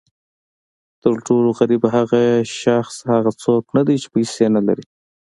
تر ټولو غریب شخص هغه څوک نه دی چې پیسې نه لري.